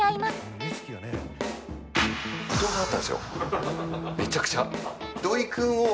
めちゃくちゃ。